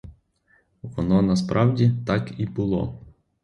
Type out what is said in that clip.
Воно насправді так і було.